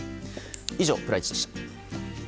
以上、プライチでした。